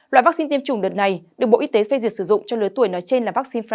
loại vaccine tiêm chủng đợt này được bộ y tế phê duyệt sử dụng cho lứa tuổi nói trên là vaccine phòng